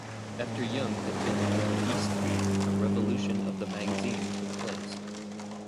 After Yeung had taken over "East Week", a revolution of the magazine took place.